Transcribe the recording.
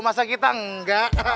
masa kita enggak